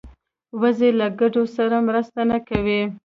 وزې له ګډو سره مرسته نه کوي